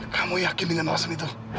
kamu yakin dengan alasan itu